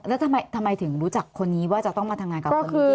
แล้วทำไมถึงรู้จักคนนี้ว่าจะต้องมาทำงานกับคนนี้